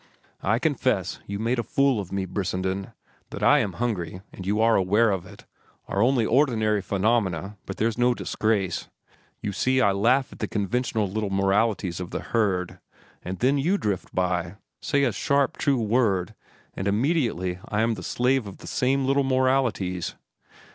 "I confess you made a fool of me, Brissenden. That I am hungry and you are aware of it are only ordinary phenomena, and there's no disgrace. You see, I laugh at the conventional little moralities of the herd; then you drift by, say a sharp, true word, and immediately I am the slave of the same little moralities."